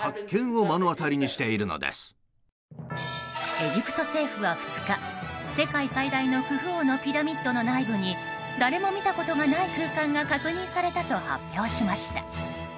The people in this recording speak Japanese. エジプト政府は２日世界最大のクフ王のピラミッドの内部に誰も見たことがない空間が確認されたと発表しました。